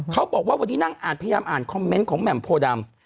เขาบอกว่าวันนี้นั่งอ่านพยายามอ่านคอมเมนต์ของแหม่มโพดำ